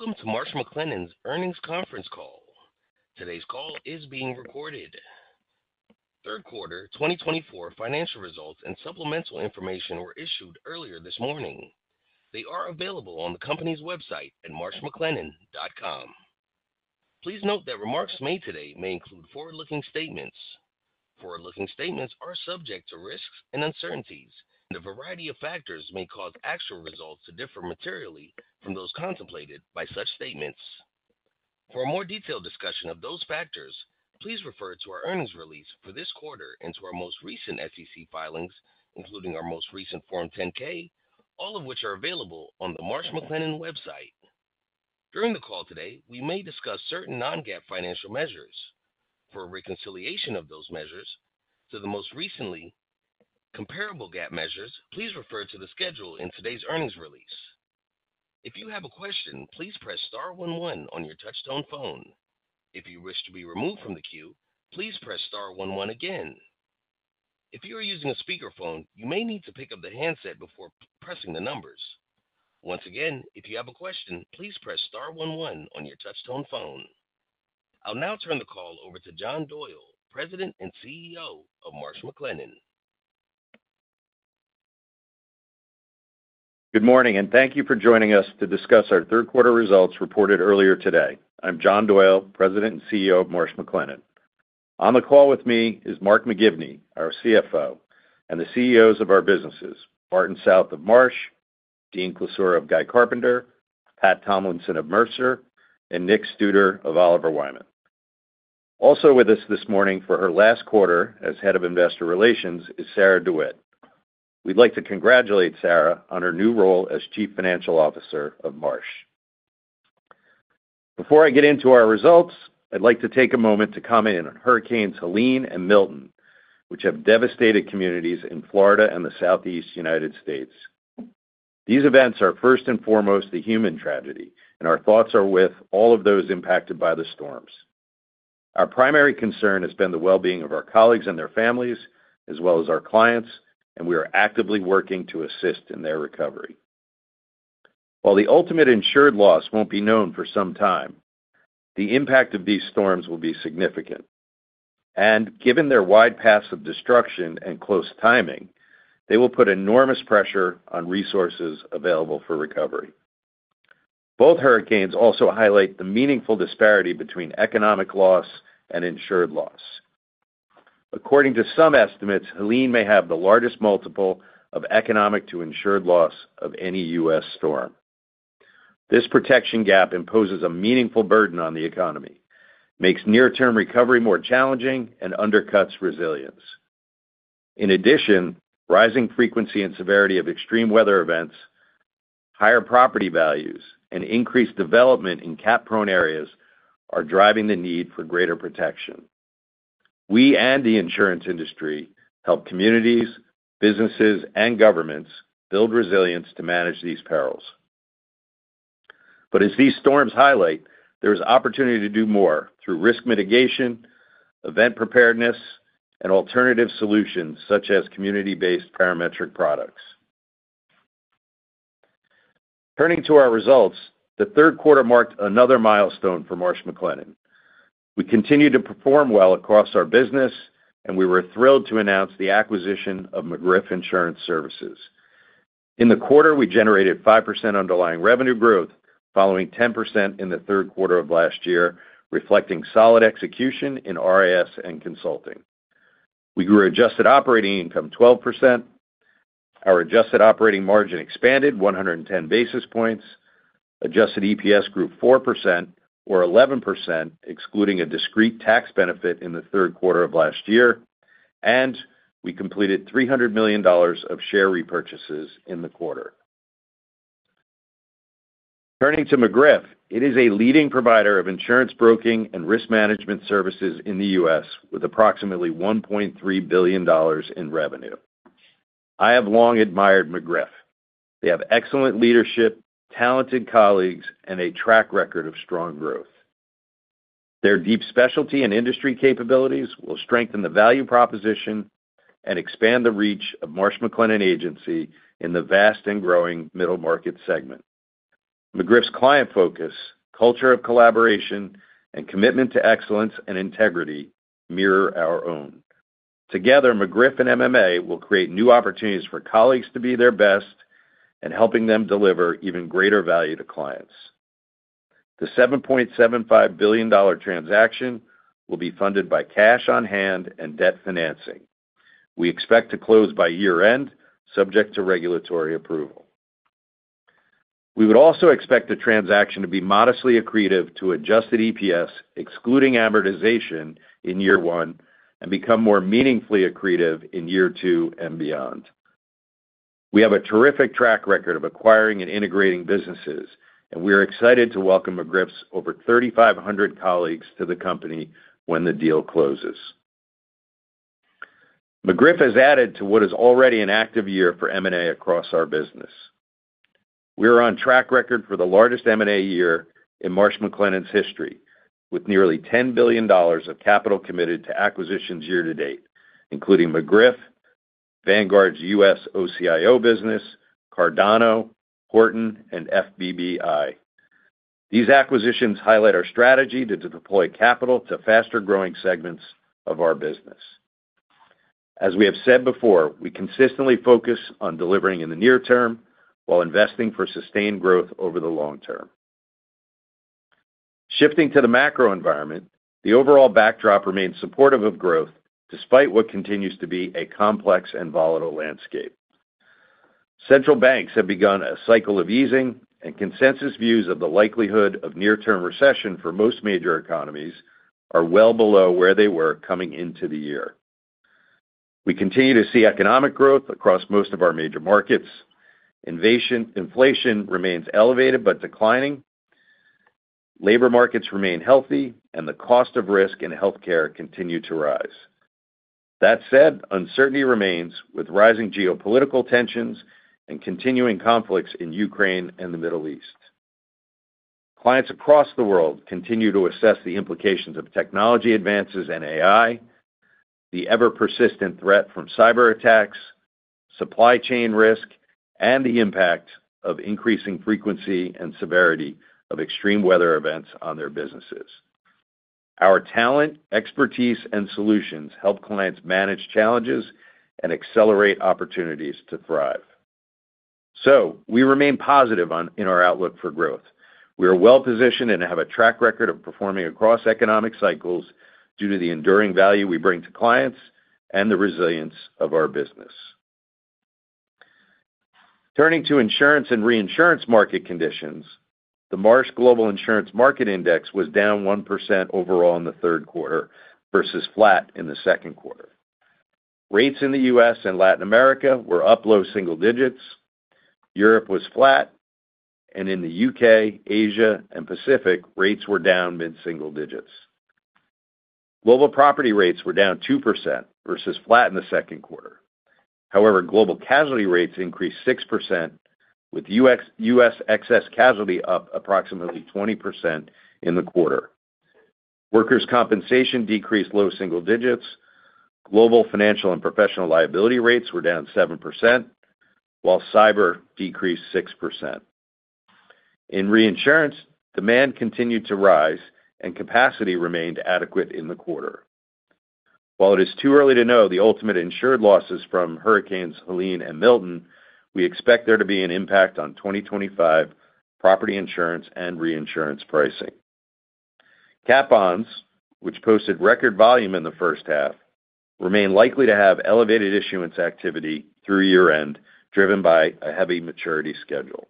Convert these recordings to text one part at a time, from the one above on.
Welcome to Marsh McLennan's earnings conference call. Today's call is being recorded. Third quarter 2024 financial results and supplemental information were issued earlier this morning. They are available on the company's website at marshmclennan.com. Please note that remarks made today may include forward-looking statements. Forward-looking statements are subject to risks and uncertainties, and a variety of factors may cause actual results to differ materially from those contemplated by such statements. For a more detailed discussion of those factors, please refer to our earnings release for this quarter and to our most recent SEC filings, including our most recent Form 10-K, all of which are available on the Marsh McLennan website. During the call today, we may discuss certain non-GAAP financial measures. For a reconciliation of those measures to the most recently comparable GAAP measures, please refer to the schedule in today's earnings release. If you have a question, please press star one one on your touchtone phone. If you wish to be removed from the queue, please press star one one again. If you are using a speakerphone, you may need to pick up the handset before pressing the numbers. Once again, if you have a question, please press star one one on your touchtone phone. I'll now turn the call over to John Doyle, President and CEO of Marsh McLennan. Good morning, and thank you for joining us to discuss our third quarter results reported earlier today. I'm John Doyle, President and CEO of Marsh McLennan. On the call with me is Mark McGivney, our CFO, and the CEOs of our businesses, Martin South of Marsh, Dean Klisura of Guy Carpenter, Pat Tomlinson of Mercer, and Nick Studer of Oliver Wyman. Also with us this morning for her last quarter as Head of Investor Relations is Sarah DeWitt. We'd like to congratulate Sarah on her new role as Chief Financial Officer of Marsh. Before I get into our results, I'd like to take a moment to comment on Hurricanes Helene and Milton, which have devastated communities in Florida and the Southeast United States. These events are first and foremost a human tragedy, and our thoughts are with all of those impacted by the storms. Our primary concern has been the well-being of our colleagues and their families, as well as our clients, and we are actively working to assist in their recovery. While the ultimate insured loss won't be known for some time, the impact of these storms will be significant, and given their wide paths of destruction and close timing, they will put enormous pressure on resources available for recovery. Both hurricanes also highlight the meaningful disparity between economic loss and insured loss. According to some estimates, Helene may have the largest multiple of economic to insured loss of any U.S. storm. This protection gap imposes a meaningful burden on the economy, makes near-term recovery more challenging, and undercuts resilience. In addition, rising frequency and severity of extreme weather events, higher property values, and increased development in cat-prone areas are driving the need for greater protection. We and the insurance industry help communities, businesses, and governments build resilience to manage these perils. But as these storms highlight, there is opportunity to do more through risk mitigation, event preparedness, and alternative solutions such as community-based parametric products. Turning to our results, the third quarter marked another milestone for Marsh McLennan. We continued to perform well across our business, and we were thrilled to announce the acquisition of McGriff Insurance Services. In the quarter, we generated 5% underlying revenue growth, following 10% in the third quarter of last year, reflecting solid execution in RIS and consulting. We grew adjusted operating income 12%. Our adjusted operating margin expanded one hundred and ten basis points. Adjusted EPS grew 4%, or 11%, excluding a discrete tax benefit in the third quarter of last year, and we completed $300 million of share repurchases in the quarter. Turning to McGriff, it is a leading provider of insurance broking and risk management services in the U.S., with approximately $1.3 billion in revenue. I have long admired McGriff. They have excellent leadership, talented colleagues, and a track record of strong growth. Their deep specialty and industry capabilities will strengthen the value proposition and expand the reach of Marsh McLennan Agency in the vast and growing middle market segment. McGriff's client focus, culture of collaboration, and commitment to excellence and integrity mirror our own. Together, McGriff and MMA will create new opportunities for colleagues to be their best and helping them deliver even greater value to clients. The $7.75 billion transaction will be funded by cash on hand and debt financing. We expect to close by year-end, subject to regulatory approval. We would also expect the transaction to be modestly accretive to adjusted EPS, excluding amortization in year one, and become more meaningfully accretive in year two and beyond. We have a terrific track record of acquiring and integrating businesses, and we are excited to welcome McGriff's over 3,500 colleagues to the company when the deal closes. McGriff has added to what is already an active year for M&A across our business. We are on track record for the largest M&A year in Marsh McLennan's history, with nearly $10 billion of capital committed to acquisitions year to date, including McGriff, Vanguard's U.S. OCIO business, Cardano, Horton, and FBBI. These acquisitions highlight our strategy to deploy capital to faster-growing segments of our business. As we have said before, we consistently focus on delivering in the near term, while investing for sustained growth over the long term. Shifting to the macro environment, the overall backdrop remains supportive of growth, despite what continues to be a complex and volatile landscape. Central banks have begun a cycle of easing, and consensus views of the likelihood of near-term recession for most major economies are well below where they were coming into the year. We continue to see economic growth across most of our major markets. Inflation remains elevated, but declining. Labor markets remain healthy, and the cost of risk and healthcare continue to rise. That said, uncertainty remains, with rising geopolitical tensions and continuing conflicts in Ukraine and the Middle East. Clients across the world continue to assess the implications of technology advances and AI, the ever-persistent threat from cyberattacks, supply chain risk, and the impact of increasing frequency and severity of extreme weather events on their businesses. Our talent, expertise, and solutions help clients manage challenges and accelerate opportunities to thrive. So we remain positive in our outlook for growth. We are well-positioned and have a track record of performing across economic cycles due to the enduring value we bring to clients and the resilience of our business. Turning to insurance and reinsurance market conditions, the Marsh Global Insurance Market Index was down 1% overall in the third quarter versus flat in the second quarter. Rates in the U.S. and Latin America were up low single-digits, Europe was flat, and in the U.K., Asia, and Pacific, rates were down mid-single digits. Global property rates were down 2% versus flat in the second quarter. However, global casualty rates increased 6%, with U.S. excess casualty up approximately 20% in the quarter. Workers' compensation decreased low single-digits, global financial and professional liability rates were down 7%, while cyber decreased 6%. In reinsurance, demand continued to rise and capacity remained adequate in the quarter. While it is too early to know the ultimate insured losses from Hurricanes Helene and Milton, we expect there to be an impact on 2025 property insurance and reinsurance pricing. Cat bonds, which posted record volume in the first half, remain likely to have elevated issuance activity through year-end, driven by a heavy maturity schedule,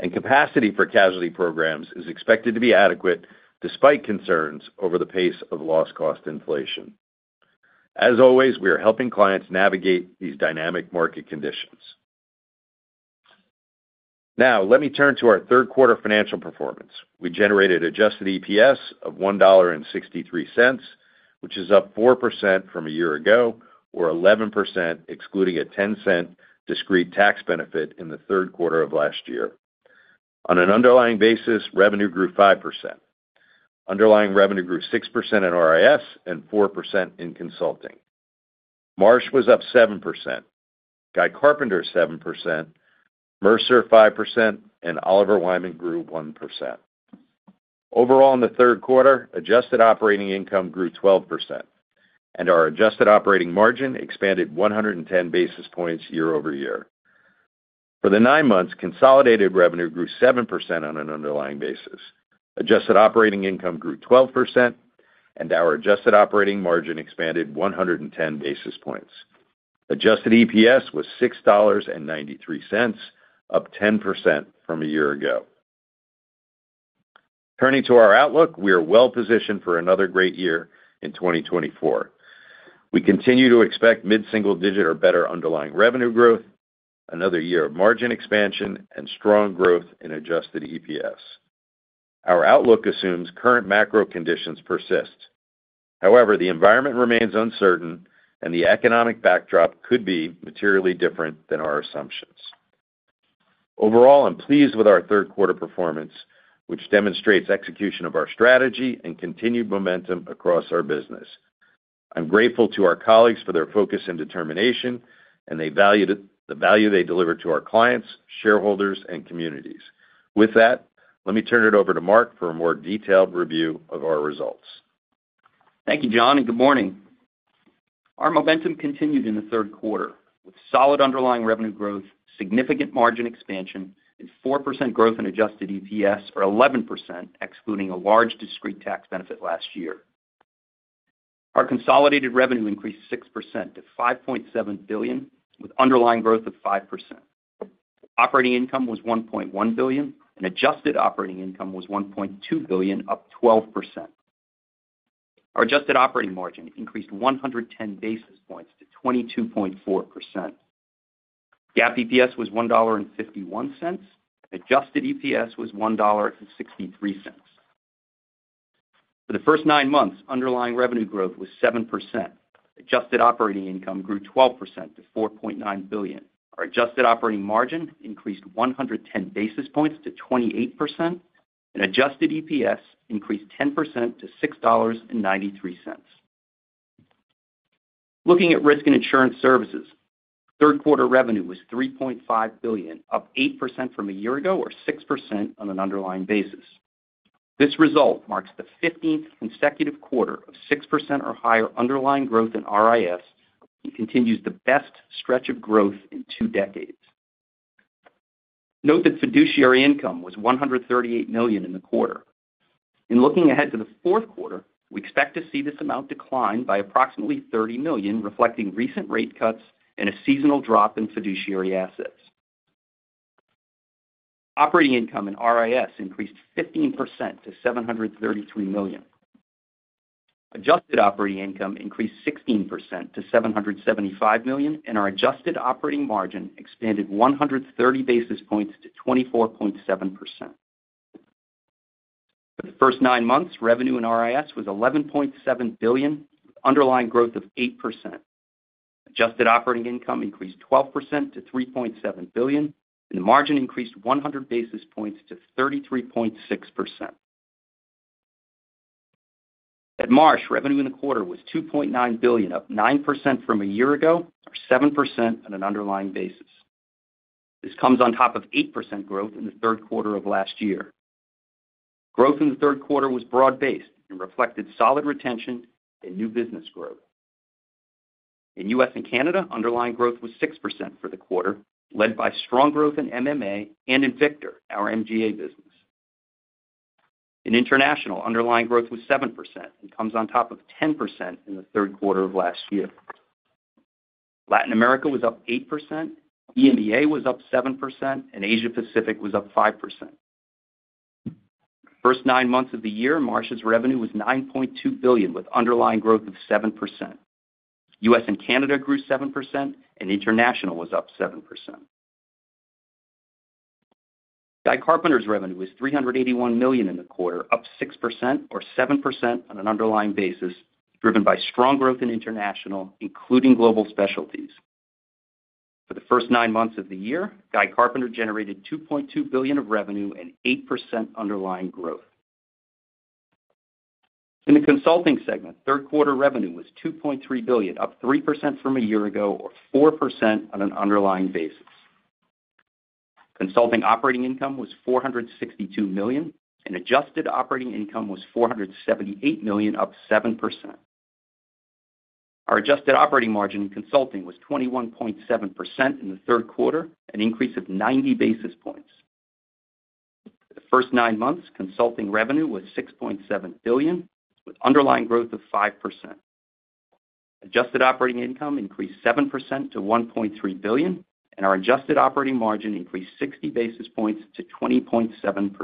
and capacity for casualty programs is expected to be adequate, despite concerns over the pace of loss cost inflation. As always, we are helping clients navigate these dynamic market conditions. Now, let me turn to our third quarter financial performance. We generated adjusted EPS of $1.63, which is up 4% from a year ago, or 11%, excluding a 10-cent discrete tax benefit in the third quarter of last year. On an underlying basis, revenue grew 5%. Underlying revenue grew 6% in RIS and 4% in consulting. Marsh was up 7%, Guy Carpenter, 7%, Mercer, 5%, and Oliver Wyman grew 1%. Overall, in the third quarter, adjusted operating income grew 12%, and our adjusted operating margin expanded one hundred and ten basis points year over year. For the nine months, consolidated revenue grew 7% on an underlying basis. Adjusted operating income grew 12%, and our adjusted operating margin expanded one hundred and ten basis points. Adjusted EPS was $6.93, up 10% from a year ago. Turning to our outlook, we are well positioned for another great year in 2024. We continue to expect mid-single digit or better underlying revenue growth, another year of margin expansion, and strong growth in adjusted EPS. Our outlook assumes current macro conditions persist. However, the environment remains uncertain, and the economic backdrop could be materially different than our assumptions. Overall, I'm pleased with our third quarter performance, which demonstrates execution of our strategy and continued momentum across our business. I'm grateful to our colleagues for their focus and determination, and the value they deliver to our clients, shareholders, and communities. With that, let me turn it over to Mark for a more detailed review of our results. Thank you, John, and good morning. Our momentum continued in the third quarter with solid underlying revenue growth, significant margin expansion, and 4% growth in adjusted EPS, or 11%, excluding a large discrete tax benefit last year. Our consolidated revenue increased 6% to $5.7 billion, with underlying growth of 5%. Operating income was $1.1 billion, and adjusted operating income was $1.2 billion, up 12%. Our adjusted operating margin increased one hundred ten basis points to 22.4%. GAAP EPS was $1.51, adjusted EPS was $1.63. For the first nine months, underlying revenue growth was 7%. Adjusted operating income grew 12% to $4.9 billion. Our adjusted operating margin increased one hundred ten basis points to 28%, and adjusted EPS increased 10% to $6.93. Looking at Risk and Insurance Services, third quarter revenue was $3.5 billion, up 8% from a year ago, or 6% on an underlying basis. This result marks the fifteenth consecutive quarter of 6% or higher underlying growth in RIS, and continues the best stretch of growth in two decades. Note that fiduciary income was $138 million in the quarter. In looking ahead to the fourth quarter, we expect to see this amount decline by approximately $30 million, reflecting recent rate cuts and a seasonal drop in fiduciary assets. Operating income in RIS increased 15% to $733 million. Adjusted operating income increased 16% to $775 million, and our adjusted operating margin expanded 130 basis points to 24.7%. For the first nine months, revenue in RIS was $11.7 billion, underlying growth of 8%. Adjusted operating income increased 12% to $3.7 billion, and the margin increased one hundred basis points to 33.6%. At Marsh, revenue in the quarter was $2.9 billion, up 9% from a year ago, or 7% on an underlying basis. This comes on top of 8% growth in the third quarter of last year. Growth in the third quarter was broad-based and reflected solid retention and new business growth. In U.S. and Canada, underlying growth was 6% for the quarter, led by strong growth in MMA and in Victor, our MGA business. In International, underlying growth was 7% and comes on top of 10% in the third quarter of last year. Latin America was up 8%, EMEA was up 7%, and Asia Pacific was up 5%. First nine months of the year, Marsh's revenue was $9.2 billion, with underlying growth of 7%. U.S. and Canada grew 7%, and international was up 7%. Guy Carpenter's revenue was $381 million in the quarter, up 6% or 7% on an underlying basis, driven by strong growth in international, including global specialties. For the first nine months of the year, Guy Carpenter generated $2.2 billion of revenue and 8% underlying growth. In the consulting segment, third quarter revenue was $2.3 billion, up 3% from a year ago, or 4% on an underlying basis. Consulting operating income was $462 million, and adjusted operating income was $478 million, up 7%. Our adjusted operating margin in consulting was 21.7% in the third quarter, an increase of 90 basis points. For the first nine months, consulting revenue was $6.7 billion, with underlying growth of 5%. Adjusted operating income increased 7% to $1.3 billion, and our adjusted operating margin increased 60 basis points to 20.7%.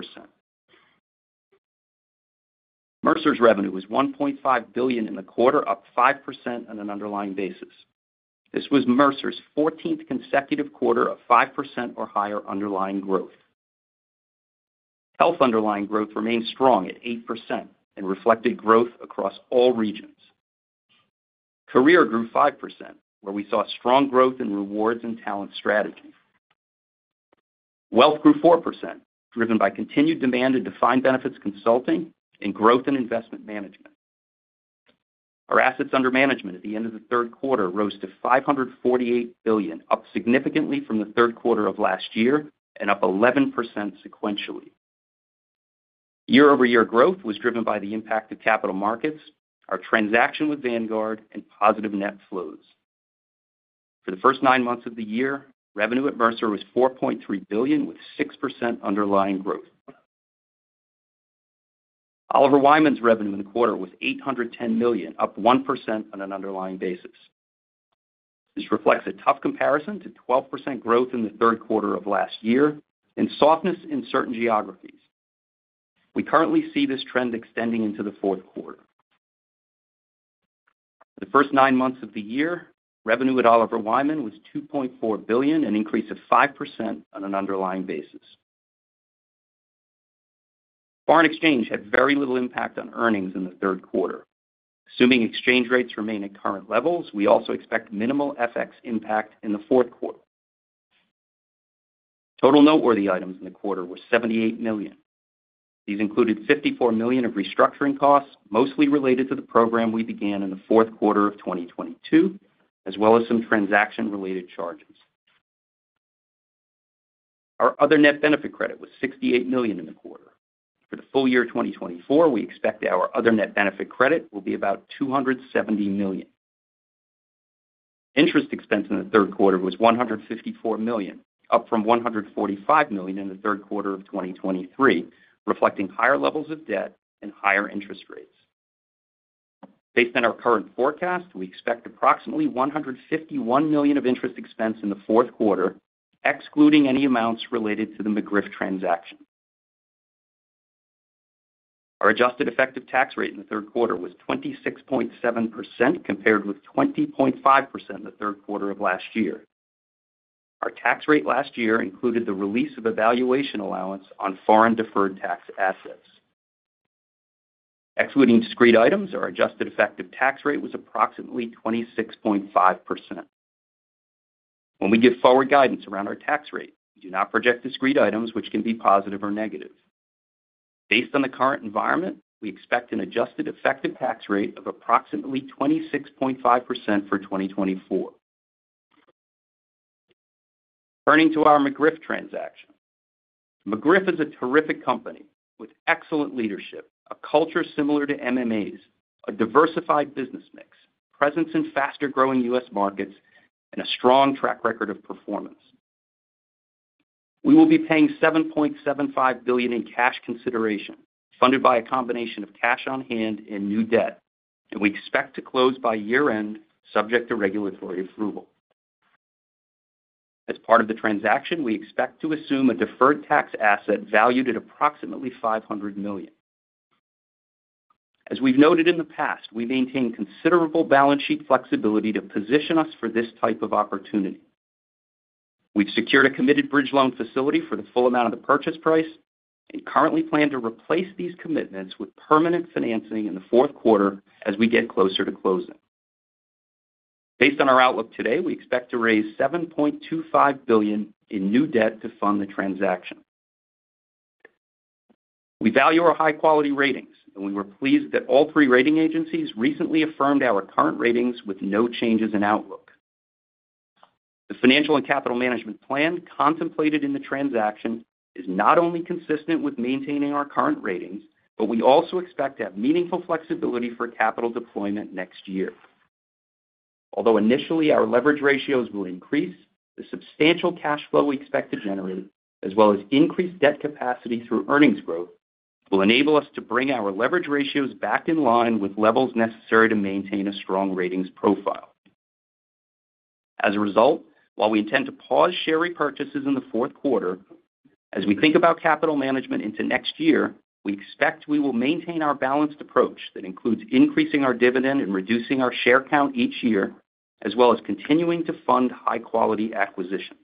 Mercer's revenue was $1.5 billion in the quarter, up 5% on an underlying basis. This was Mercer's fourteenth consecutive quarter of 5% or higher underlying growth. Health underlying growth remained strong at 8% and reflected growth across all regions. Career grew 5%, where we saw strong growth in rewards and talent strategy. Wealth grew 4%, driven by continued demand in defined benefits consulting and growth in investment management. Our assets under management at the end of the third quarter rose to $548 billion, up significantly from the third quarter of last year and up 11% sequentially. Year-over-year growth was driven by the impact of capital markets, our transaction with Vanguard, and positive net flows. For the first nine months of the year, revenue at Mercer was $4.3 billion, with 6% underlying growth. Oliver Wyman's revenue in the quarter was $810 million, up 1% on an underlying basis. This reflects a tough comparison to 12% growth in the third quarter of last year and softness in certain geographies. We currently see this trend extending into the fourth quarter. For the first nine months of the year, revenue at Oliver Wyman was $2.4 billion, an increase of 5% on an underlying basis. Foreign exchange had very little impact on earnings in the third quarter. Assuming exchange rates remain at current levels, we also expect minimal FX impact in the fourth quarter. Total noteworthy items in the quarter were $78 million. These included $54 million of restructuring costs, mostly related to the program we began in the fourth quarter of 2022, as well as some transaction-related charges. Our other net benefit credit was $68 million in the quarter. For the full year 2024, we expect our other net benefit credit will be about $270 million. Interest expense in the third quarter was $154 million, up from $145 million in the third quarter of 2023, reflecting higher levels of debt and higher interest rates. Based on our current forecast, we expect approximately $151 million of interest expense in the fourth quarter, excluding any amounts related to the McGriff transaction. Our adjusted effective tax rate in the third quarter was 26.7%, compared with 20.5% in the third quarter of last year. Our tax rate last year included the release of a valuation allowance on foreign deferred tax assets. Excluding discrete items, our adjusted effective tax rate was approximately 26.5%. When we give forward guidance around our tax rate, we do not project discrete items which can be positive or negative. Based on the current environment, we expect an adjusted effective tax rate of approximately 26.5% for 2024. Turning to our McGriff transaction. McGriff is a terrific company with excellent leadership, a culture similar to MMA's, a diversified business mix, presence in faster-growing U.S. markets, and a strong track record of performance. We will be paying $7.75 billion in cash consideration, funded by a combination of cash on hand and new debt, and we expect to close by year-end, subject to regulatory approval. As part of the transaction, we expect to assume a deferred tax asset valued at approximately $500 million. As we've noted in the past, we maintain considerable balance sheet flexibility to position us for this type of opportunity. We've secured a committed bridge loan facility for the full amount of the purchase price and currently plan to replace these commitments with permanent financing in the fourth quarter as we get closer to closing. Based on our outlook today, we expect to raise $7.25 billion in new debt to fund the transaction. We value our high-quality ratings, and we were pleased that all three rating agencies recently affirmed our current ratings with no changes in outlook. The financial and capital management plan contemplated in the transaction is not only consistent with maintaining our current ratings, but we also expect to have meaningful flexibility for capital deployment next year. Although initially, our leverage ratios will increase, the substantial cash flow we expect to generate, as well as increased debt capacity through earnings growth, will enable us to bring our leverage ratios back in line with levels necessary to maintain a strong ratings profile. As a result, while we intend to pause share repurchases in the fourth quarter, as we think about capital management into next year, we expect we will maintain our balanced approach that includes increasing our dividend and reducing our share count each year, as well as continuing to fund high-quality acquisitions.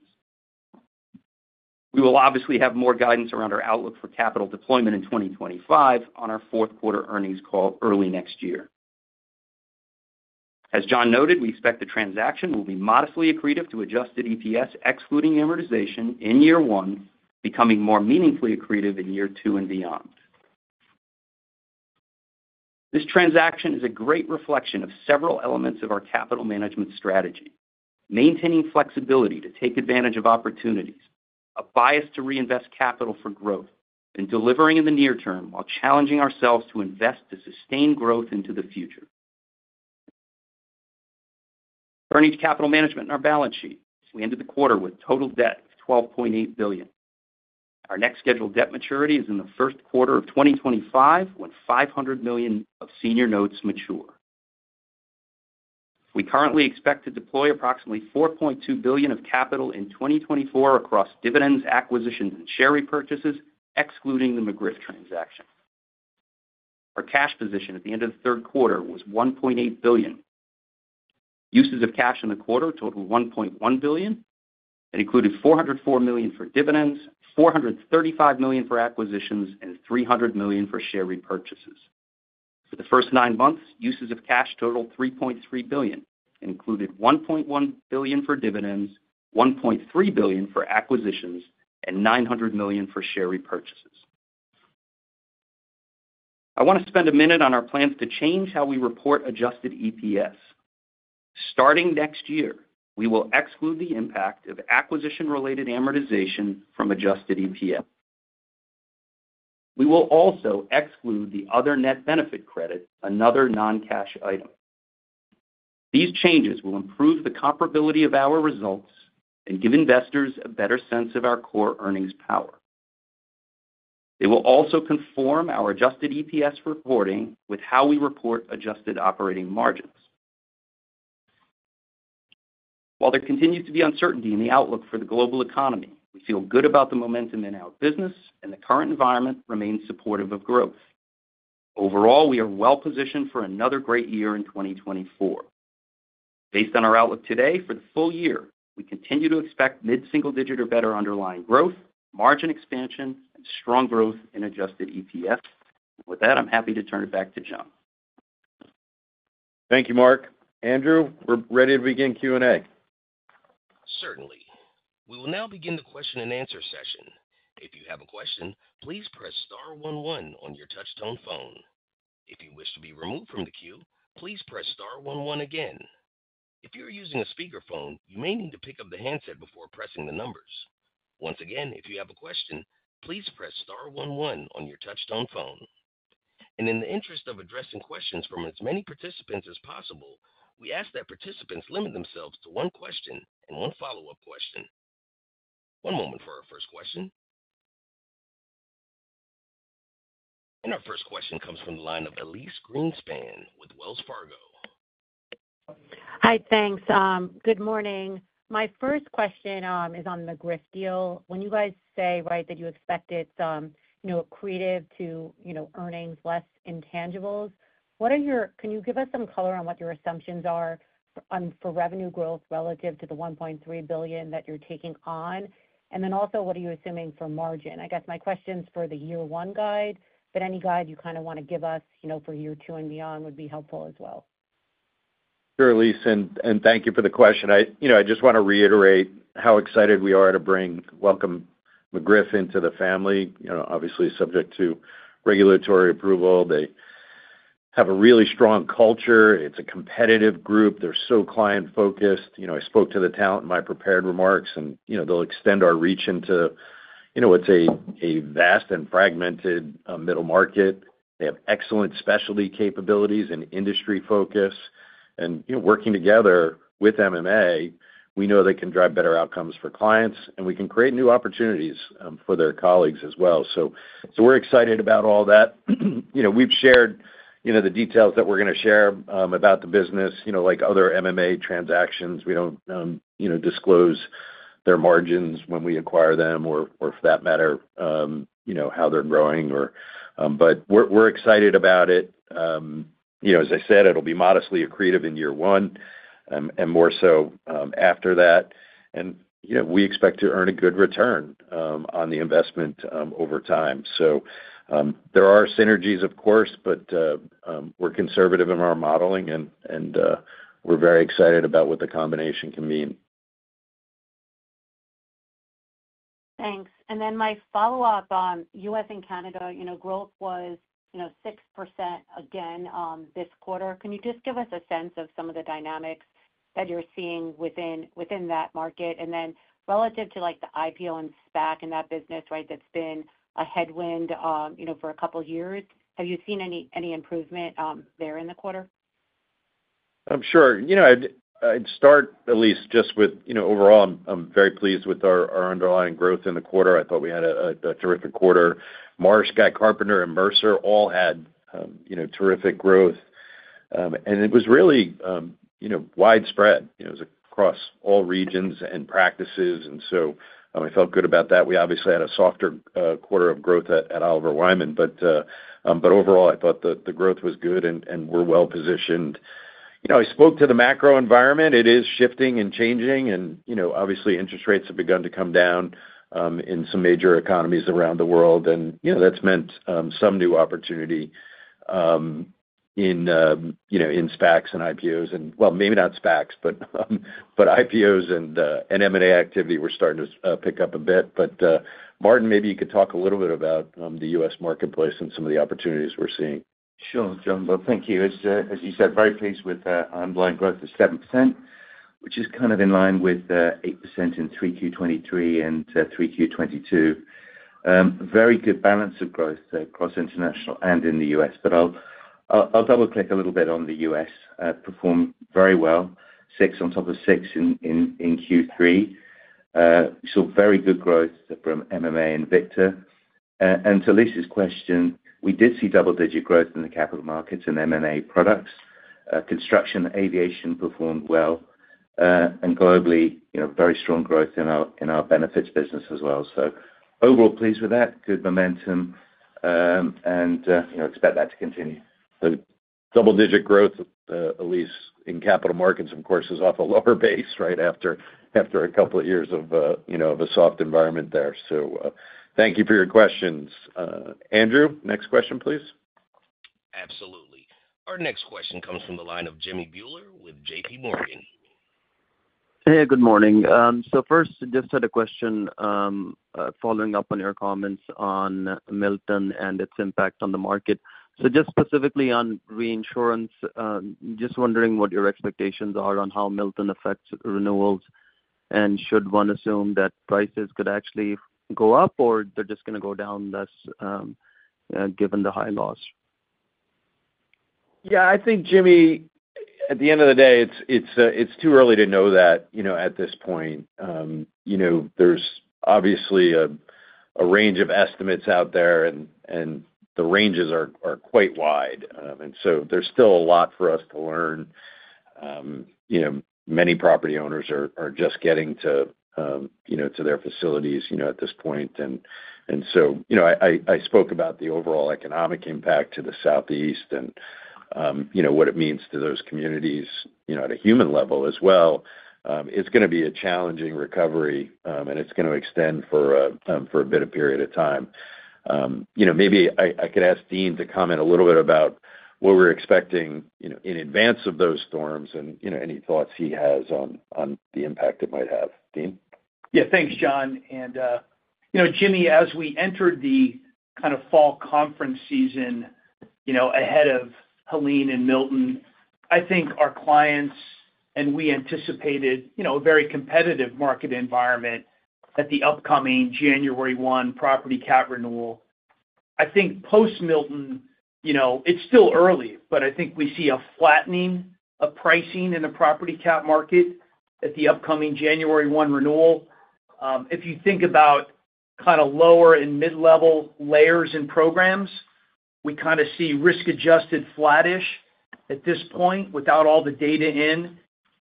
We will obviously have more guidance around our outlook for capital deployment in 2025 on our fourth quarter earnings call early next year. As John noted, we expect the transaction will be modestly accretive to adjusted EPS, excluding amortization in year one, becoming more meaningfully accretive in year two and beyond. This transaction is a great reflection of several elements of our capital management strategy, maintaining flexibility to take advantage of opportunities, a bias to reinvest capital for growth, and delivering in the near term while challenging ourselves to invest to sustain growth into the future. Earnings, capital management, and our balance sheet. We ended the quarter with total debt of $12.8 billion. Our next scheduled debt maturity is in the first quarter of 2025, when $500 million of senior notes mature. We currently expect to deploy approximately $4.2 billion of capital in 2024 across dividends, acquisitions, and share repurchases, excluding the McGriff transaction. Our cash position at the end of the third quarter was $1.8 billion. Uses of cash in the quarter totaled $1.1 billion. It included $404 million for dividends, $435 million for acquisitions, and $300 million for share repurchases. For the first nine months, uses of cash totaled $3.3 billion, and included $1.1 billion for dividends, $1.3 billion for acquisitions, and $900 million for share repurchases. I want to spend a minute on our plans to change how we report adjusted EPS. Starting next year, we will exclude the impact of acquisition-related amortization from adjusted EPS. We will also exclude the other net benefit credit, another non-cash item. These changes will improve the comparability of our results and give investors a better sense of our core earnings power. It will also conform our adjusted EPS reporting with how we report adjusted operating margins. While there continues to be uncertainty in the outlook for the global economy, we feel good about the momentum in our business, and the current environment remains supportive of growth. Overall, we are well positioned for another great year in 2024. Based on our outlook today, for the full year, we continue to expect mid-single-digit or better underlying growth, margin expansion, and strong growth in adjusted EPS. With that, I'm happy to turn it back to John. Thank you, Mark. Andrew, we're ready to begin Q&A. Certainly. We will now begin the question-and-answer session. If you have a question, please press star one one on your touchtone phone. If you wish to be removed from the queue, please press star one one again. If you're using a speakerphone, you may need to pick up the handset before pressing the numbers. Once again, if you have a question, please press star one one on your touchtone phone. And in the interest of addressing questions from as many participants as possible, we ask that participants limit themselves to one question and one follow-up question. One moment for our first question. And our first question comes from the line of Elyse Greenspan with Wells Fargo. Hi, thanks. Good morning. My first question is on the McGriff deal. When you guys say, right, that you expect it, you know, accretive to, you know, earnings less intangibles. What are your assumptions? Can you give us some color on what your assumptions are on, for revenue growth relative to the $1.3 billion that you're taking on? And then also, what are you assuming for margin? I guess my question's for the year one guide, but any guide you kind of want to give us, you know, for year two and beyond would be helpful as well. Sure, Elyse, and thank you for the question. I, you know, I just want to reiterate how excited we are to welcome McGriff into the family. You know, obviously, subject to regulatory approval. They have a really strong culture. It's a competitive group. They're so client-focused. You know, I spoke to the talent in my prepared remarks, and, you know, they'll extend our reach into, you know, what's a vast and fragmented middle market. They have excellent specialty capabilities and industry focus, and, you know, working together with MMA, we know they can drive better outcomes for clients, and we can create new opportunities for their colleagues as well. So we're excited about all that. You know, we've shared, you know, the details that we're gonna share about the business. You know, like other MMA transactions, we don't, you know, disclose their margins when we acquire them, or for that matter, you know, how they're growing or. But we're excited about it. You know, as I said, it'll be modestly accretive in year one, and more so after that. You know, we expect to earn a good return on the investment over time. There are synergies, of course, but we're conservative in our modeling and we're very excited about what the combination can mean. Thanks. And then my follow-up on U.S. and Canada, you know, growth was, you know, 6% again this quarter. Can you just give us a sense of some of the dynamics that you're seeing within that market? And then relative to, like, the IPO and SPAC in that business, right, that's been a headwind, you know, for a couple of years, have you seen any improvement there in the quarter? Sure. You know, I'd start, Elyse, just with, you know, overall, I'm very pleased with our underlying growth in the quarter. I thought we had a terrific quarter. Marsh, Guy Carpenter, and Mercer all had terrific growth, and it was really widespread. It was across all regions and practices, and so I felt good about that. We obviously had a softer quarter of growth at Oliver Wyman, but overall, I thought the growth was good, and we're well positioned. You know, I spoke to the macro environment. It is shifting and changing and, you know, obviously, interest rates have begun to come down in some major economies around the world, and, you know, that's meant some new opportunity in, you know, in SPACs and IPOs and, well, maybe not SPACs, but IPOs and M&A activity were starting to pick up a bit. But Martin, maybe you could talk a little bit about the US marketplace and some of the opportunities we're seeing. Sure, John. Thank you. As you said, very pleased with underlying growth of 7%, which is kind of in line with 8% in 3Q 2023 and 3Q 2022. Very good balance of growth across international and in the U.S., but I'll double-click a little bit on the U.S. Performed very well, 6% on top of 6% in Q3. Saw very good growth from MMA and Victor. And to Elyse's question, we did see double-digit growth in the capital markets and MMA products. Construction, aviation performed well, and globally, you know, very strong growth in our benefits business as well. Overall, pleased with that, good momentum, and you know, expect that to continue. The double-digit growth, Elyse, in capital markets, of course, is off a lower base, right after a couple of years of, you know, of a soft environment there. So, thank you for your questions. Andrew, next question, please. Absolutely. Our next question comes from the line of Jimmy Bhullar with J.P. Morgan. Hey, good morning. So first, just had a question, following up on your comments on Milton and its impact on the market. So just specifically on reinsurance, just wondering what your expectations are on how Milton affects renewals, and should one assume that prices could actually go up, or they're just gonna go down thus, given the high loss? Yeah, I think, Jimmy, at the end of the day, it's too early to know that, you know, at this point. You know, there's obviously a range of estimates out there, and the ranges are quite wide. And so there's still a lot for us to learn. You know, many property owners are just getting to, you know, to their facilities, you know, at this point. And so, you know, I spoke about the overall economic impact to the Southeast and, you know, what it means to those communities, you know, at a human level as well. It's gonna be a challenging recovery, and it's gonna extend for a bit of period of time. You know, maybe I could ask Dean to comment a little bit about what we're expecting, you know, in advance of those storms and, you know, any thoughts he has on the impact it might have. Dean? Yeah, thanks, John. And, you know, Jimmy, as we entered the kind of fall conference season, you know, ahead of Helene and Milton, I think our clients, and we anticipated, you know, a very competitive market environment at the upcoming January one property cat renewal. I think post Milton, you know, it's still early, but I think we see a flattening of pricing in the property cat market at the upcoming January one renewal. If you think about kind of lower and mid-level layers and programs, we kind of see risk-adjusted flattish at this point, without all the data in. ...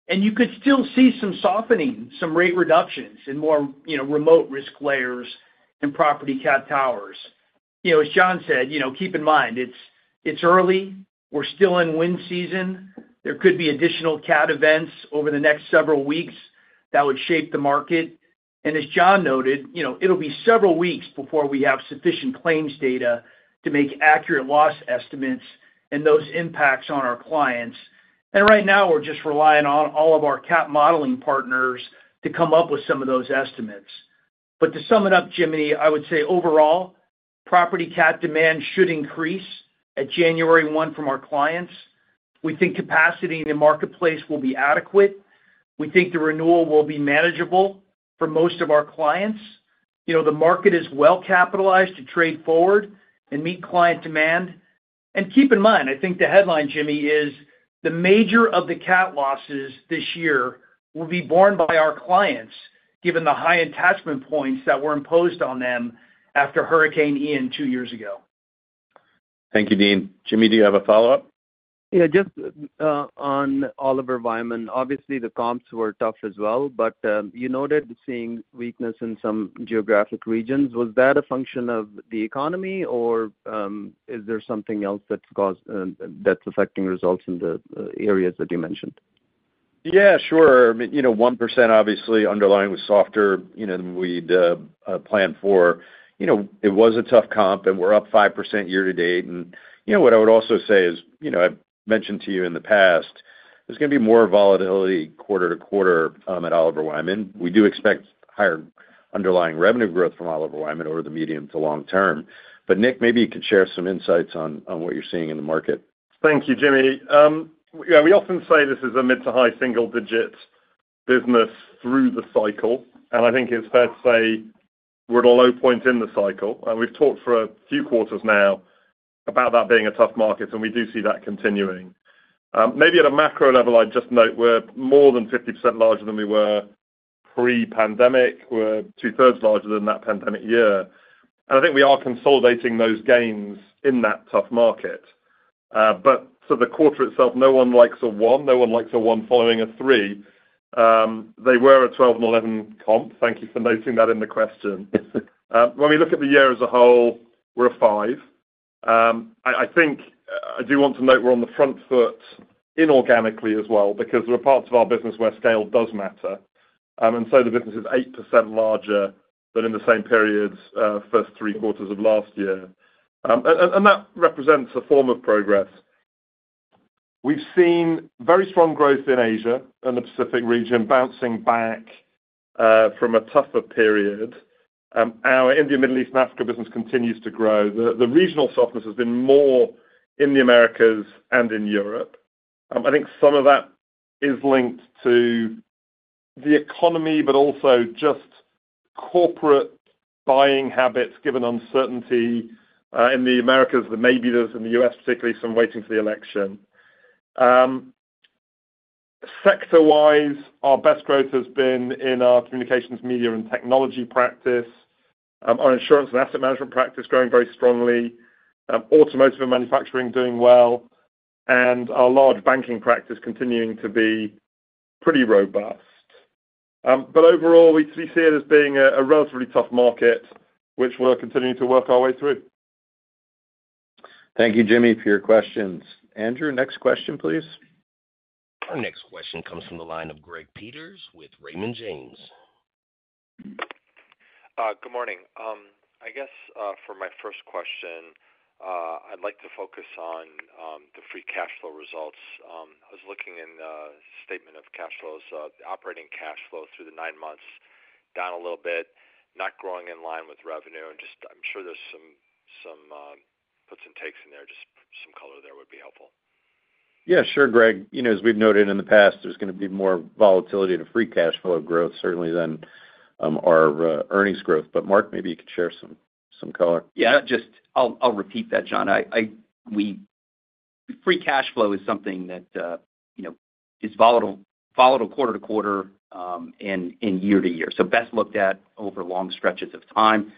and you could still see some softening, some rate reductions in more, you know, remote risk layers and property cat towers. You know, as John said, you know, keep in mind, it's, it's early. We're still in wind season. There could be additional cat events over the next several weeks that would shape the market. And as John noted, you know, it'll be several weeks before we have sufficient claims data to make accurate loss estimates and those impacts on our clients. And right now, we're just relying on all of our cat modeling partners to come up with some of those estimates. But to sum it up, Jimmy, I would say overall, property cat demand should increase at January one from our clients. We think capacity in the marketplace will be adequate. We think the renewal will be manageable for most of our clients. You know, the market is well-capitalized to trade forward and meet client demand, and keep in mind, I think the headline, Jimmy, is the majority of the cat losses this year will be borne by our clients, given the high attachment points that were imposed on them after Hurricane Ian two years ago. Thank you, Dean. Jimmy, do you have a follow-up? Yeah, just on Oliver Wyman. Obviously, the comps were tough as well, but you noted seeing weakness in some geographic regions. Was that a function of the economy, or is there something else that's caused that's affecting results in the areas that you mentioned? Yeah, sure. I mean, you know, 1% obviously underlying was softer, you know, than we'd planned for. You know, it was a tough comp, and we're up 5% year to date. And, you know, what I would also say is, you know, I've mentioned to you in the past, there's going to be more volatility quarter to quarter at Oliver Wyman. We do expect higher underlying revenue growth from Oliver Wyman over the medium to long term. But Nick, maybe you could share some insights on what you're seeing in the market. Thank you, Jimmy. Yeah, we often say this is a mid to high single-digit business through the cycle, and I think it's fair to say we're at a low point in the cycle. We've talked for a few quarters now about that being a tough market, and we do see that continuing. Maybe at a macro level, I'd just note we're more than 50% larger than we were pre-pandemic. We're two-thirds larger than that pandemic year, and I think we are consolidating those gains in that tough market, but so the quarter itself, no one likes a one. No one likes a one following a three. They were a 12 and 11 comp. Thank you for noting that in the question. When we look at the year as a whole, we're a five. I think, I do want to note we're on the front foot inorganically as well, because there are parts of our business where scale does matter. And so the business is 8% larger than in the same periods, first three quarters of last year. And that represents a form of progress. We've seen very strong growth in Asia and the Pacific region, bouncing back, from a tougher period. Our India, Middle East, and Africa business continues to grow. The regional softness has been more in the Americas and in Europe. I think some of that is linked to the economy, but also just corporate buying habits, given uncertainty, in the Americas, but maybe those in the U.S., particularly some waiting for the election. Sector-wise, our best growth has been in our communications, media, and technology practice. Our insurance and asset management practice growing very strongly. Automotive and manufacturing doing well, and our large banking practice continuing to be pretty robust. But overall, we see it as being a relatively tough market, which we're continuing to work our way through. Thank you, Jimmy, for your questions. Andrew, next question, please. Our next question comes from the line of Greg Peters with Raymond James. Good morning. I guess, for my first question, I'd like to focus on the free cash flow results. I was looking in the statement of cash flows, the operating cash flow through the nine months, down a little bit, not growing in line with revenue, and just I'm sure there's some puts and takes in there. Just some color there would be helpful. Yeah, sure, Greg. You know, as we've noted in the past, there's going to be more volatility to free cash flow growth certainly than our earnings growth. But Mark, maybe you could share some color. Yeah, just, I'll repeat that, John. We -- free cash flow is something that, you know, is volatile quarter to quarter, and year to year, so best looked at over long stretches of time.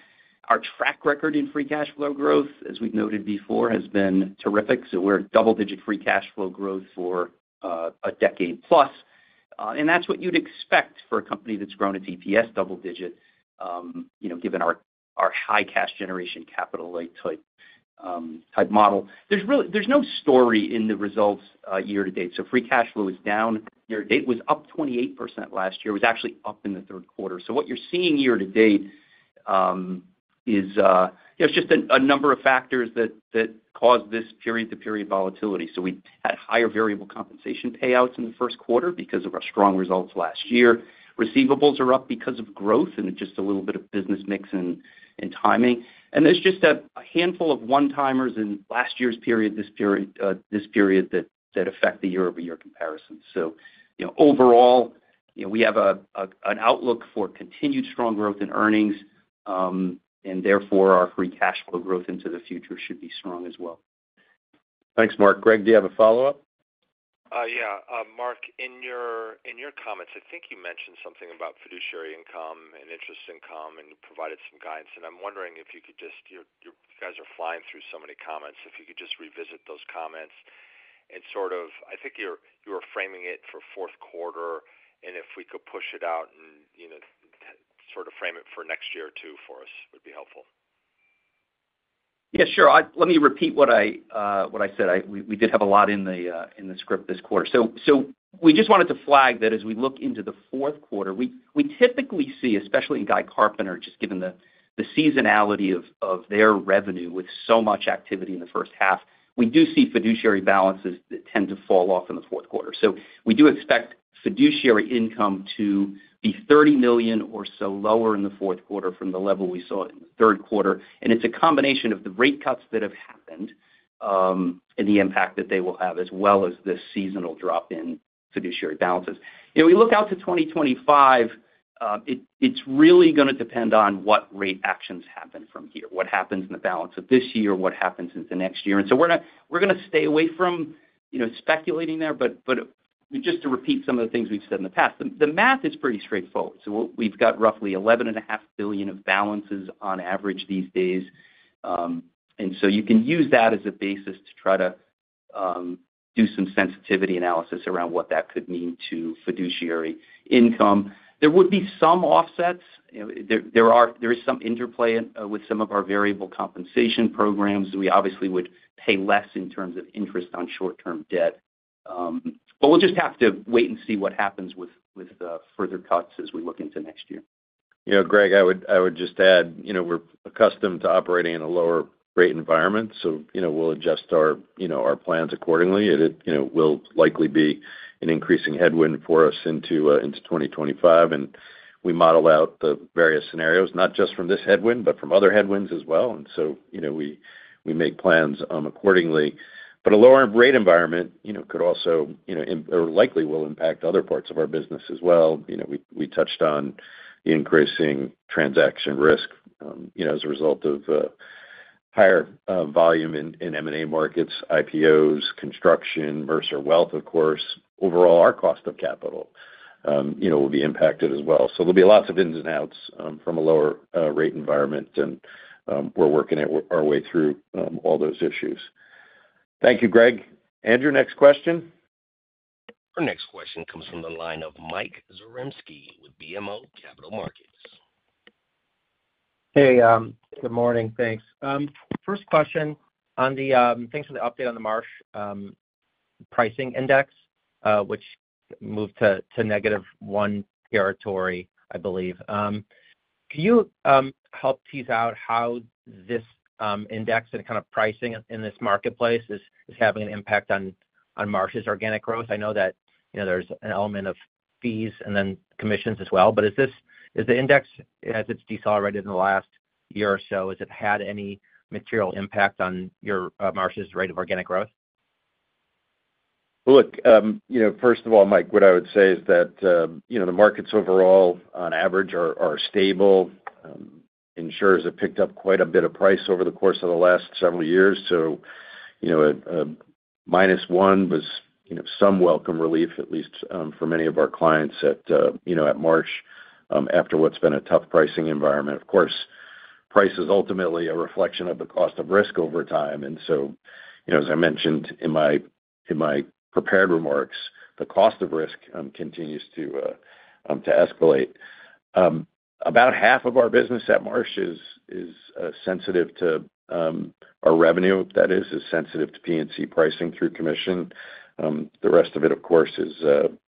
Our track record in free cash flow growth, as we've noted before, has been terrific. So we're a double digit free cash flow growth for a decade plus. And that's what you'd expect for a company that's grown its EPS double digit, you know, given our high cash generation capital-like type model. There's no story in the results year to date. So free cash flow is down. Year to date, it was up 28% last year. It was actually up in the third quarter. So what you're seeing year to date is you know just a number of factors that caused this period-to-period volatility. So we had higher variable compensation payouts in the first quarter because of our strong results last year. Receivables are up because of growth and just a little bit of business mix and timing. And there's just a handful of one-timers in last year's period, this period, that affect the year-over-year comparison. So, you know, overall, you know, we have an outlook for continued strong growth in earnings and therefore our free cash flow growth into the future should be strong as well. Thanks, Mark. Greg, do you have a follow-up? Yeah. Mark, in your comments, I think you mentioned something about fiduciary income and interest income, and you provided some guidance, and I'm wondering if you could just... You guys are flying through so many comments, if you could just revisit those comments and sort of—I think you were framing it for fourth quarter, and if we could push it out and, you know- ... sort of frame it for next year, too, for us would be helpful. Yeah, sure. Let me repeat what I said. We did have a lot in the script this quarter. So we just wanted to flag that as we look into the fourth quarter. We typically see, especially in Guy Carpenter, just given the seasonality of their revenue with so much activity in the first half, we do see fiduciary balances that tend to fall off in the fourth quarter. So we do expect fiduciary income to be $30 million or so lower in the fourth quarter from the level we saw in the third quarter, and it's a combination of the rate cuts that have happened and the impact that they will have, as well as this seasonal drop in fiduciary balances. You know, we look out to 2025. It's really gonna depend on what rate actions happen from here, what happens in the balance of this year, what happens in the next year. And so we're not. We're gonna stay away from, you know, speculating there, but just to repeat some of the things we've said in the past, the math is pretty straightforward. So we've got roughly $11.5 billion of balances on average these days. And so you can use that as a basis to try to do some sensitivity analysis around what that could mean to fiduciary income. There would be some offsets. You know, there is some interplay with some of our variable compensation programs. We obviously would pay less in terms of interest on short-term debt. But we'll just have to wait and see what happens with further cuts as we look into next year. You know, Greg, I would, I would just add, you know, we're accustomed to operating in a lower rate environment, so, you know, we'll adjust our, you know, our plans accordingly. It, it, you know, will likely be an increasing headwind for us into 2025, and we model out the various scenarios, not just from this headwind, but from other headwinds as well. And so, you know, we, we make plans accordingly. But a lower rate environment, you know, could also, you know, or likely will impact other parts of our business as well. You know, we, we touched on the increasing transaction risk, you know, as a result of higher volume in, in M&A markets, IPOs, construction, Mercer Wealth, of course. Overall, our cost of capital, you know, will be impacted as well. So there'll be lots of ins and outs from a lower rate environment, and we're working our way through all those issues. Thank you, Greg. Andrew, next question? Our next question comes from the line of Mike Zaremski with BMO Capital Markets. Hey, good morning. Thanks. First question on the thanks for the update on the Marsh pricing index, which moved to negative one territory, I believe. Can you help tease out how this index and kind of pricing in this marketplace is having an impact on Marsh's organic growth? I know that, you know, there's an element of fees and then commissions as well, but is this, is the index, as it's decelerated in the last year or so, has it had any material impact on Marsh's rate of organic growth? Look, you know, first of all, Mike, what I would say is that, you know, the markets overall, on average, are stable. Insurers have picked up quite a bit of price over the course of the last several years, so, you know, at -1% was, you know, some welcome relief, at least, for many of our clients at, you know, at Marsh, after what's been a tough pricing environment. Of course, price is ultimately a reflection of the cost of risk over time, and so, you know, as I mentioned in my prepared remarks, the cost of risk continues to escalate. About half of our business at Marsh is sensitive to our revenue, that is sensitive to P&C pricing through commission. The rest of it, of course, is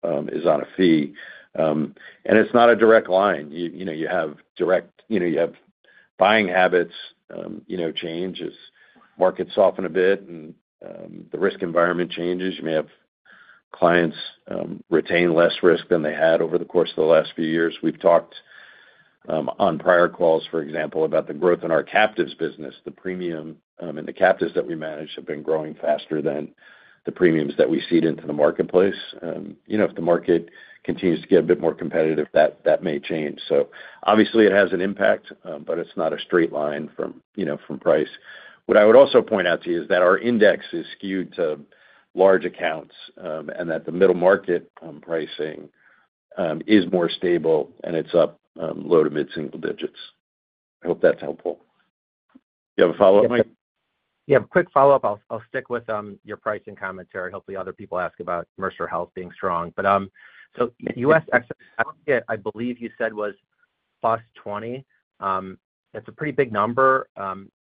on a fee, and it's not a direct line. You know, you have buying habits, you know, change as markets soften a bit and the risk environment changes. You may have clients retain less risk than they had over the course of the last few years. We've talked on prior calls, for example, about the growth in our captives business. The premium and the captives that we manage have been growing faster than the premiums that we cede into the marketplace. You know, if the market continues to get a bit more competitive, that may change, so obviously, it has an impact, but it's not a straight line from, you know, from price. What I would also point out to you is that our index is skewed to large accounts, and that the middle market pricing is more stable, and it's up low to mid-single-digits. I hope that's helpful. Do you have a follow-up, Mike? Yeah, a quick follow-up. I'll stick with your pricing commentary. Hopefully, other people ask about Mercer Health being strong. But so the U.S. excess, I believe you said was plus 20%. That's a pretty big number.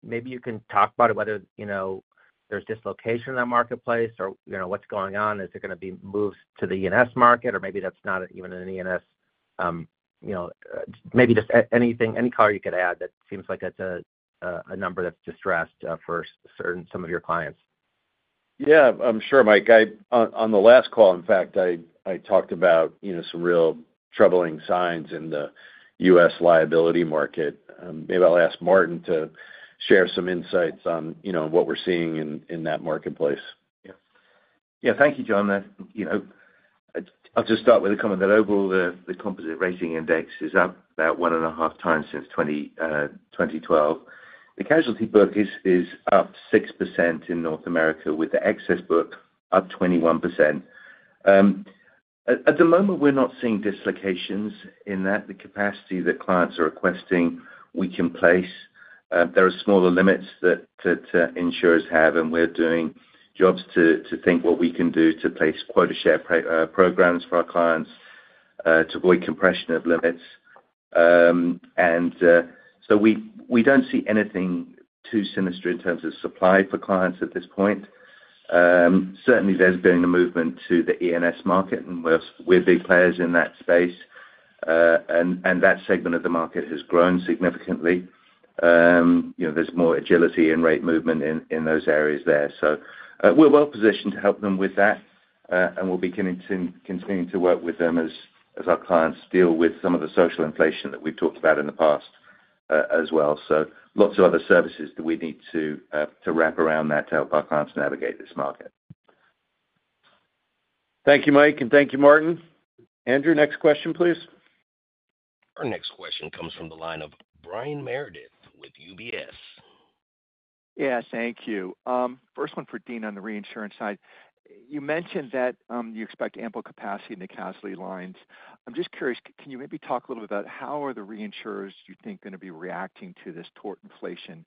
Maybe you can talk about it, whether, you know, there's dislocation in that marketplace or, you know, what's going on. Is there gonna be moves to the E&S market, or maybe that's not even an E&S, you know, maybe just anything, any color you could add? That seems like that's a number that's distressed for certain, some of your clients. Yeah, I'm sure, Mike. On the last call, in fact, I talked about, you know, some real troubling signs in the U.S. liability market. Maybe I'll ask Martin to share some insights on, you know, what we're seeing in that marketplace. Yeah. Thank you, John. You know, I'll just start with a comment that overall, the composite rating index is up about one and a half times since 2012. The casualty book is up 6% in North America, with the excess book up 21%. At the moment, we're not seeing dislocations in that. The capacity that clients are requesting, we can place. There are smaller limits that insurers have, and we're doing jobs to think what we can do to place quota share programs for our clients to avoid compression of limits. So we don't see anything too sinister in terms of supply for clients at this point. Certainly, there's been a movement to the E&S market, and we're big players in that space. And that segment of the market has grown significantly. You know, there's more agility and rate movement in those areas there. So, we're well positioned to help them with that, and we'll be continuing to work with them as our clients deal with some of the social inflation that we've talked about in the past, as well. So lots of other services that we need to wrap around that to help our clients navigate this market. Thank you, Mike, and thank you, Martin. Andrew, next question, please. Our next question comes from the line of Brian Meredith with UBS. Yeah, thank you. First one for Dean on the reinsurance side. You mentioned that you expect ample capacity in the casualty lines. I'm just curious, can you maybe talk a little bit about how are the reinsurers, you think, going to be reacting to this social inflation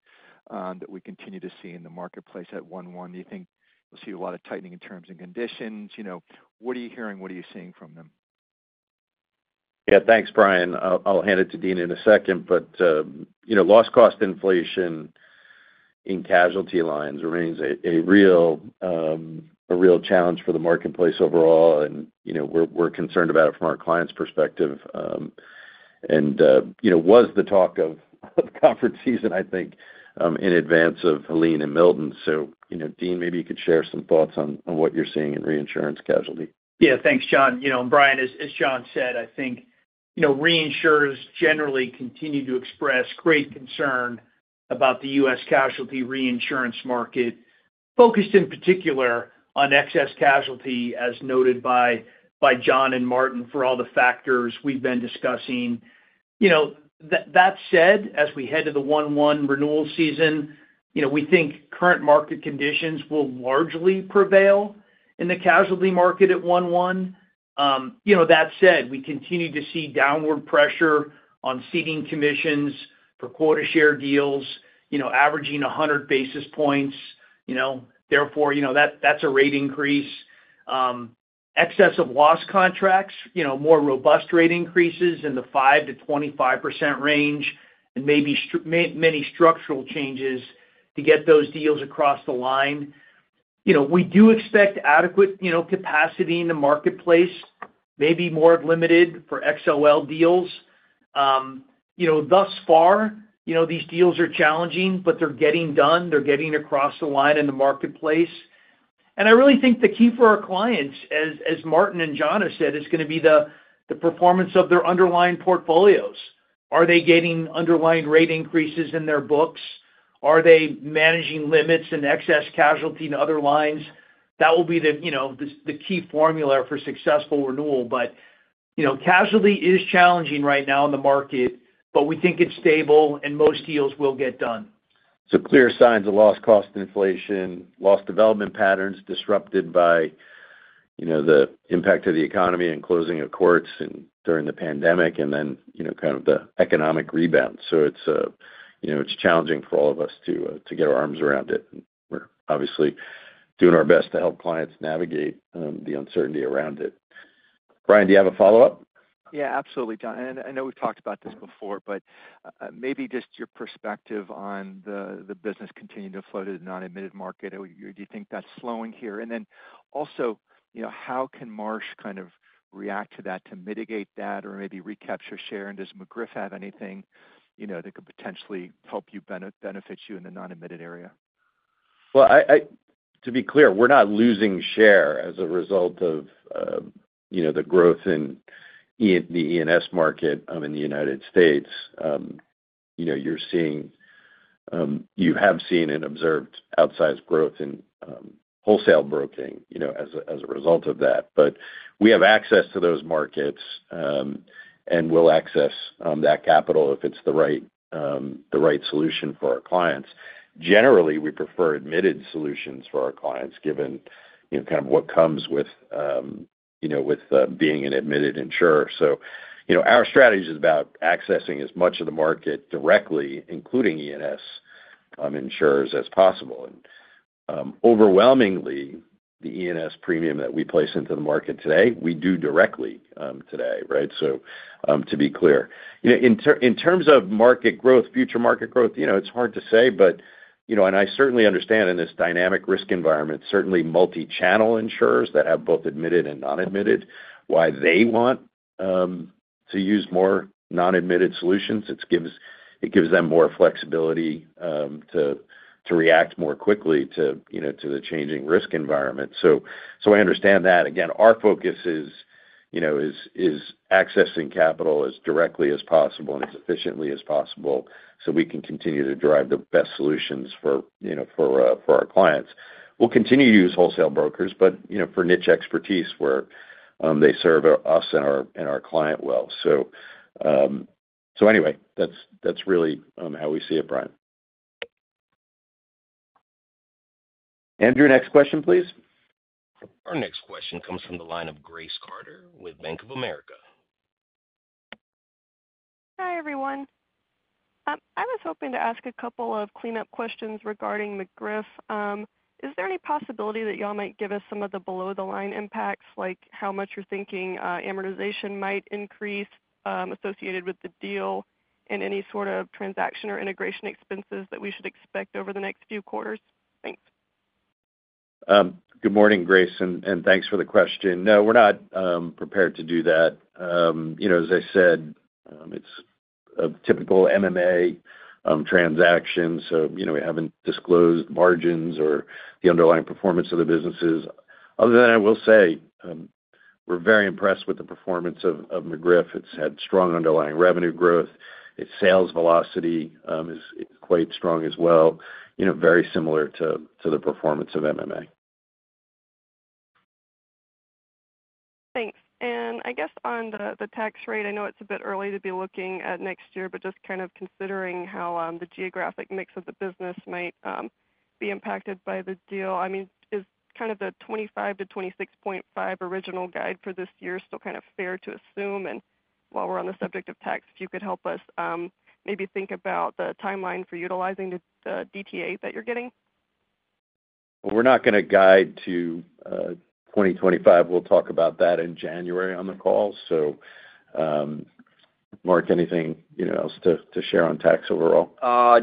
that we continue to see in the marketplace at 1/1? Do you think we'll see a lot of tightening in terms and conditions? You know, what are you hearing? What are you seeing from them? Yeah, thanks, Brian. I'll hand it to Dean in a second. But you know, loss cost inflation in casualty lines remains a real challenge for the marketplace overall, and you know, we're concerned about it from our clients' perspective, and you know, was the talk of conference season, I think, in advance of Helene and Milton. So you know, Dean, maybe you could share some thoughts on what you're seeing in reinsurance casualty. Yeah. Thanks, John. You know, Brian, as John said, I think, you know, reinsurers generally continue to express great concern about the U.S. casualty reinsurance market, focused in particular on excess casualty, as noted by John and Martin, for all the factors we've been discussing. You know, that said, as we head to the 1/1 renewal season, you know, we think current market conditions will largely prevail in the casualty market at 1/1. You know, that said, we continue to see downward pressure on ceding commissions for quota share deals, you know, averaging 100 basis points, you know. Therefore, you know, that's a rate increase. Excess of loss contracts, you know, more robust rate increases in the 5%-25% range and maybe many structural changes to get those deals across the line. You know, we do expect adequate, you know, capacity in the marketplace, maybe more limited for XOL deals. You know, thus far, you know, these deals are challenging, but they're getting done. They're getting across the line in the marketplace. And I really think the key for our clients, as Martin and John have said, is going to be the performance of their underlying portfolios. Are they getting underlying rate increases in their books? Are they managing limits and excess casualty in other lines? That will be the, you know, the key formula for successful renewal. But, you know, casualty is challenging right now in the market, but we think it's stable and most deals will get done. So clear signs of loss cost inflation, loss development patterns disrupted by, you know, the impact of the economy and closing of courts and during the pandemic, and then, you know, kind of the economic rebound. So it's, you know, it's challenging for all of us to get our arms around it, and we're obviously doing our best to help clients navigate the uncertainty around it. Brian, do you have a follow-up? Yeah, absolutely, John, and I know we've talked about this before, but, maybe just your perspective on the, the business continuing to flow to the non-admitted market. Do you think that's slowing here? And then also, you know, how can Marsh kind of react to that to mitigate that or maybe recapture share? And does McGriff have anything, you know, that could potentially help you benefit you in the non-admitted area? To be clear, we're not losing share as a result of, you know, the growth in the E&S market in the United States. You know, you're seeing, you have seen and observed outsized growth in wholesale broking, you know, as a result of that. But we have access to those markets, and we'll access that capital if it's the right solution for our clients. Generally, we prefer admitted solutions for our clients, given, you know, kind of what comes with, you know, with being an admitted insurer. Our strategy is about accessing as much of the market directly, including E&S insurers, as possible. And, overwhelmingly, the E&S premium that we place into the market today, we do directly today, right? To be clear. You know, in terms of market growth, future market growth, you know, it's hard to say, but, you know, and I certainly understand in this dynamic risk environment, certainly multi-channel insurers that have both admitted and non-admitted, why they want to use more non-admitted solutions. It gives them more flexibility to react more quickly to, you know, to the changing risk environment. So I understand that. Again, our focus is, you know, accessing capital as directly as possible and as efficiently as possible, so we can continue to derive the best solutions for, you know, for our clients. We'll continue to use wholesale brokers, but, you know, for niche expertise where they serve us and our client well. So anyway, that's really how we see it, Brian. Andrew, next question, please. Our next question comes from the line of Grace Carter with Bank of America. Hi, everyone. I was hoping to ask a couple of cleanup questions regarding McGriff. Is there any possibility that y'all might give us some of the below-the-line impacts, like how much you're thinking, amortization might increase, associated with the deal, and any sort of transaction or integration expenses that we should expect over the next few quarters? Thanks. Good morning, Grace, and thanks for the question. No, we're not prepared to do that. You know, as I said, it's a typical MMA transaction, so, you know, we haven't disclosed margins or the underlying performance of the businesses. Other than I will say, we're very impressed with the performance of McGriff. It's had strong underlying revenue growth. Its sales velocity is quite strong as well, you know, very similar to the performance of MMA. Thanks. And I guess on the tax rate, I know it's a bit early to be looking at next year, but just kind of considering how the geographic mix of the business might be impacted by the deal. I mean, is kind of the 25%-26.5% original guide for this year still kind of fair to assume? And while we're on the subject of tax, if you could help us maybe think about the timeline for utilizing the DTA that you're getting. We're not gonna guide to 2025. We'll talk about that in January on the call. So, Mark, anything, you know, else to share on tax overall?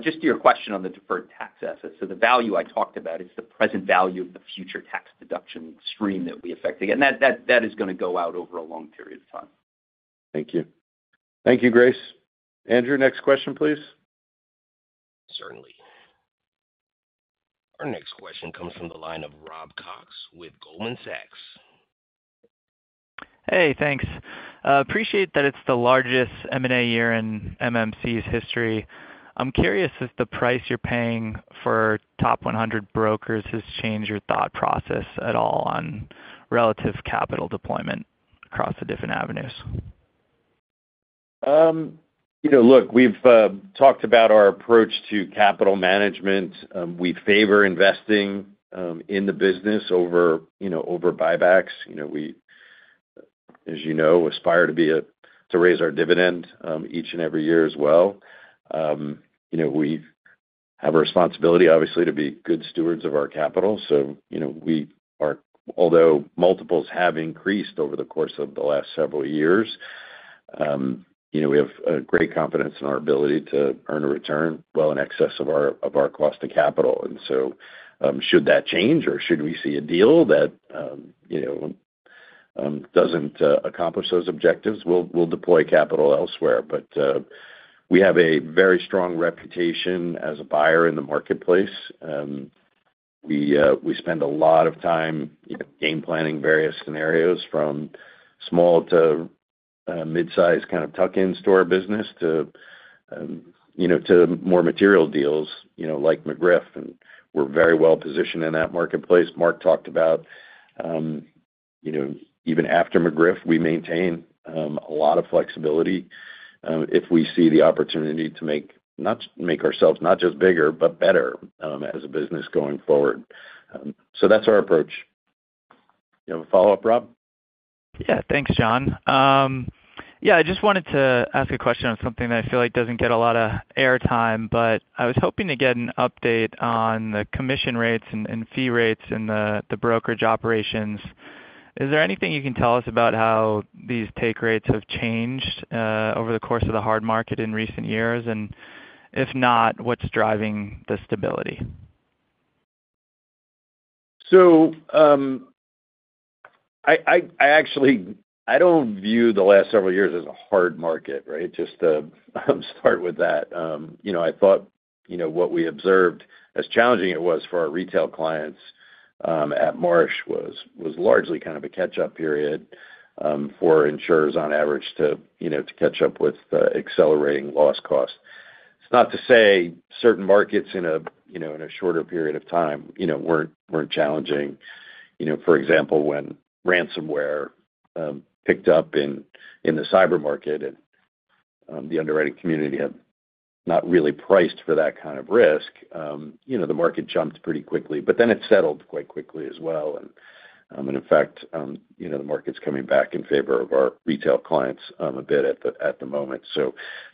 Just to your question on the deferred tax assets. So the value I talked about is the present value of the future tax deduction stream that we affect. Again, that is gonna go out over a long period of time. Thank you. Thank you, Grace. Andrew, next question, please. Certainly. Our next question comes from the line of Rob Cox with Goldman Sachs. Hey, thanks. Appreciate that it's the largest M&A year in MMC's history. I'm curious if the price you're paying for top one hundred brokers has changed your thought process at all on relative capital deployment across the different avenues? You know, look, we've talked about our approach to capital management. We favor investing in the business over, you know, over buybacks. You know, we, as you know, aspire to raise our dividend each and every year as well. You know, we have a responsibility, obviously, to be good stewards of our capital, so you know we are, although multiples have increased over the course of the last several years, you know, we have a great confidence in our ability to earn a return well in excess of our cost of capital, and so should that change or should we see a deal that you know doesn't accomplish those objectives, we'll deploy capital elsewhere, but we have a very strong reputation as a buyer in the marketplace. We spend a lot of time, you know, game planning various scenarios from small to mid-size kind of tuck-ins to our business to, you know, to more material deals, you know, like McGriff, and we're very well positioned in that marketplace. Mark talked about, you know, even after McGriff, we maintain a lot of flexibility if we see the opportunity to make ourselves not just bigger but better as a business going forward. So that's our approach. You have a follow-up, Rob? Yeah. Thanks, John. Yeah, I just wanted to ask a question on something that I feel like doesn't get a lot of airtime, but I was hoping to get an update on the commission rates and fee rates in the brokerage operations. Is there anything you can tell us about how these take rates have changed over the course of the hard market in recent years? And if not, what's driving the stability? So, I actually, I don't view the last several years as a hard market, right? Just to start with that. You know, I thought, you know, what we observed, as challenging it was for our retail clients at Marsh, was largely kind of a catch-up period for insurers on average to catch up with the accelerating loss costs. It's not to say certain markets in a shorter period of time, you know, weren't challenging. You know, for example, when ransomware picked up in the cyber market and the underwriting community had not really priced for that kind of risk, you know, the market jumped pretty quickly, but then it settled quite quickly as well. And in fact, you know, the market's coming back in favor of our retail clients, a bit at the moment. So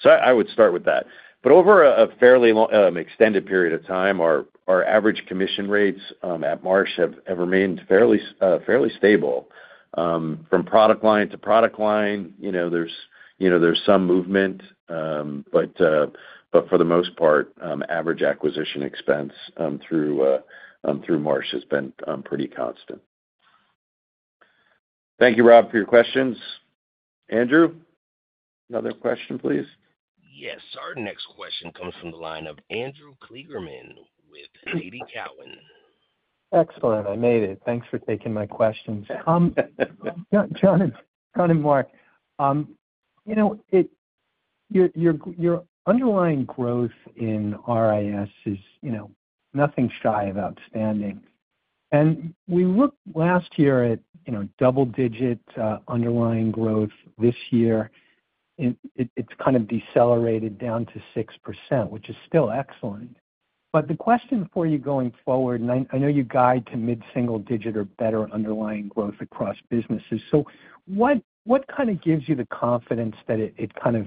I would start with that. But over a fairly long extended period of time, our average commission rates at Marsh have remained fairly stable. From product line to product line, you know, there's some movement, but for the most part, average acquisition expense through Marsh has been pretty constant. Thank you, Rob, for your questions. Andrew, another question, please. Yes. Our next question comes from the line of Andrew Kligerman with TD Cowen. Excellent. I made it. Thanks for taking my questions. John and Mark, you know, your underlying growth in RIS is, you know, nothing shy of outstanding, and we looked last year at, you know, double-digit underlying growth this year. It’s kind of decelerated down to 6%, which is still excellent, but the question for you going forward, and I know you guide to mid-single-digit or better underlying growth across businesses, so what kind of gives you the confidence that it kind of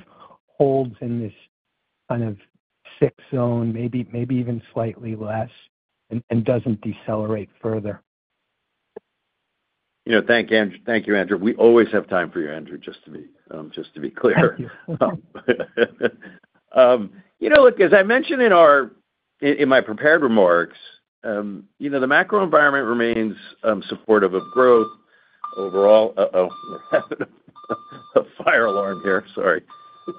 holds in this kind of six zone, maybe even slightly less, and doesn’t decelerate further? You know, thank you, Andrew. We always have time for you, Andrew, just to be clear. Thank you. You know, look, as I mentioned in our in my prepared remarks, you know, the macro environment remains supportive of growth overall. We're having a fire alarm here. Sorry.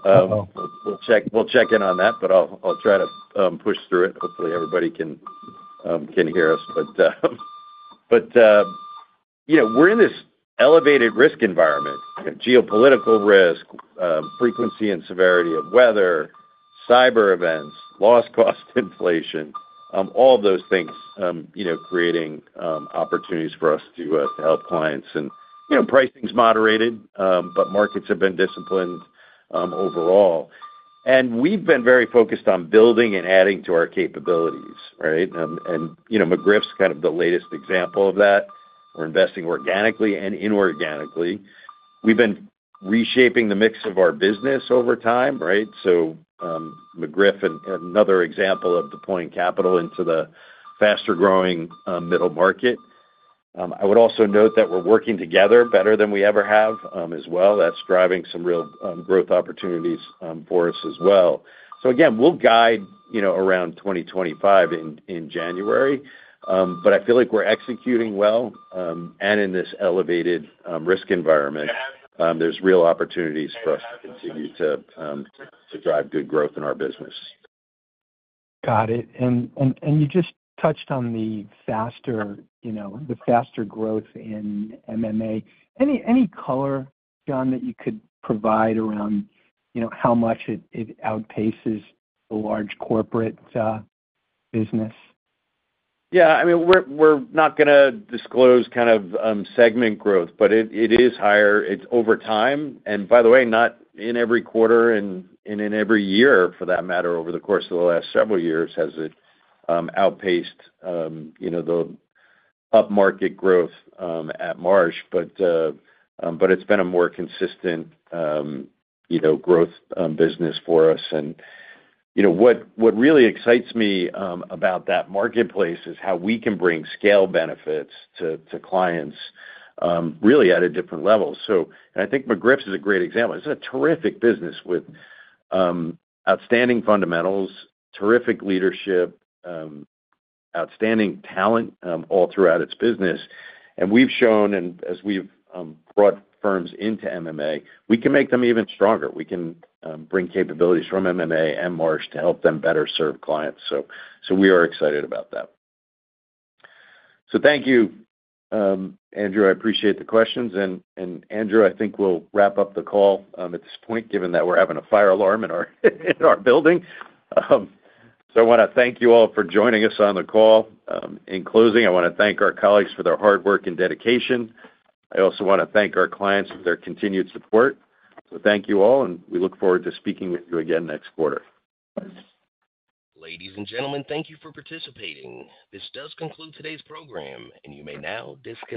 We'll check in on that, but I'll try to push through it. Hopefully, everybody can hear us. But you know, we're in this elevated risk environment, geopolitical risk, frequency and severity of weather, cyber events, loss cost inflation, all of those things, you know, creating opportunities for us to help clients. You know, pricing's moderated, but markets have been disciplined overall. We've been very focused on building and adding to our capabilities, right? You know, McGriff's kind of the latest example of that. We're investing organically and inorganically. We've been reshaping the mix of our business over time, right? So, McGriff, another example of deploying capital into the faster growing, middle market. I would also note that we're working together better than we ever have, as well. That's driving some real growth opportunities, for us as well. So again, we'll guide, you know, around 2025 in January. But I feel like we're executing well, and in this elevated risk environment, there's real opportunities for us to continue to drive good growth in our business. Got it. And you just touched on the faster, you know, the faster growth in MMA. Any color, John, that you could provide around, you know, how much it outpaces the large corporate business? Yeah, I mean, we're not gonna disclose kind of segment growth, but it is higher. It's over time, and by the way, not in every quarter and in every year, for that matter, over the course of the last several years, has it outpaced, you know, the upmarket growth at Marsh. But it's been a more consistent, you know, growth business for us. And, you know, what really excites me about that marketplace is how we can bring scale benefits to clients, really at a different level. So and I think McGriff's is a great example. It's a terrific business with outstanding fundamentals, terrific leadership, outstanding talent all throughout its business, and we've shown, and as we've brought firms into MMA, we can make them even stronger. We can bring capabilities from MMA and Marsh to help them better serve clients, so we are excited about that. So thank you, Andrew. I appreciate the questions, and Andrew, I think we'll wrap up the call at this point, given that we're having a fire alarm in our building. So I wanna thank you all for joining us on the call. In closing, I wanna thank our colleagues for their hard work and dedication. I also wanna thank our clients for their continued support. So thank you all, and we look forward to speaking with you again next quarter. Ladies and gentlemen, thank you for participating. This does conclude today's program, and you may now disconnect.